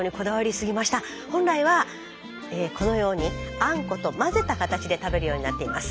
本来はこのようにあんこと混ぜた形で食べるようになっています。